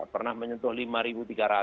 pernah menyentuh lima tiga ratus